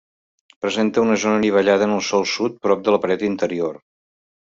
Presenta una zona anivellada en el sòl sud, prop de la paret interior.